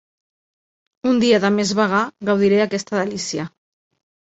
Un dia de més vagar gaudiré aquesta delícia